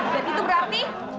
dan itu berarti